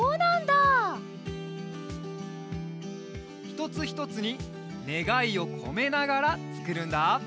ひとつひとつにねがいをこめながらつくるんだ。